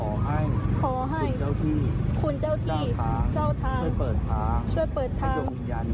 ขอให้คุณเจ้าที่เจ้าทางช่วยเปิดทาง